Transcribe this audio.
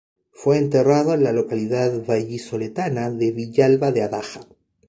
Fue enterrado en la localidad vallisoletana de Villalba de Adaja.